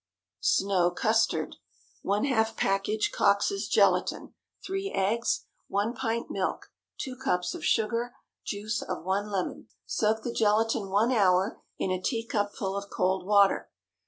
SNOW CUSTARD. ✠ ½ package Coxe's gelatine. 3 eggs. 1 pint milk. 2 cups of sugar. Juice of one lemon. Soak the gelatine one hour in a teacupful of cold water.